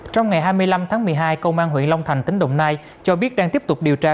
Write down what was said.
trong ngày hai mươi năm tháng một mươi hai công an huyện long thành tỉnh đồng nai cho biết đang tiếp tục điều tra